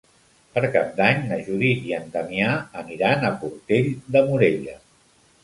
Per Cap d'Any na Judit i en Damià aniran a Portell de Morella.